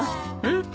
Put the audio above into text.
えっ？